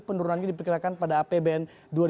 pendurungannya diperkirakan pada apbn dua ribu lima belas